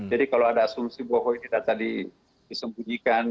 jadi kalau ada asumsi bahwa ini data disembunyikan